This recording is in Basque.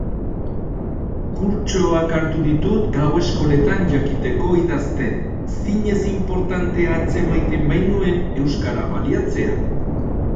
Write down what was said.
Kurtsoak hartu ditut gau-eskoletan jakiteko idazten, zinez inportantea atzemaiten bainuen euskara baliatzea.